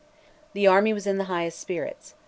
The army was in the highest spirits.